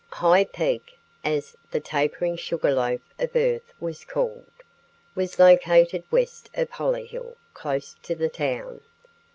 High Peak, as the tapering sugar loaf of earth was called, was located west of Hollyhill, close to the town.